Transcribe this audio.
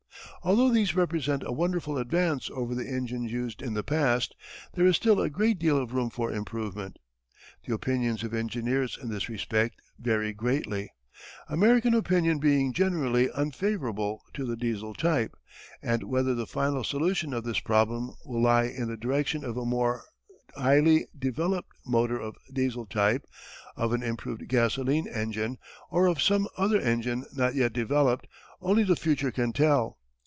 Although these represent a wonderful advance over the engines used in the past there is still a great deal of room for improvement. The opinions of engineers in this respect vary greatly, American opinion being generally unfavourable to the Diesel type, and whether the final solution of this problem will lie in the direction of a more highly developed motor of Diesel type, of an improved gasoline engine, or of some other engine not yet developed, only the future can tell.